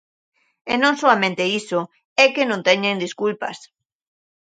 E non soamente iso, é que non teñen desculpas.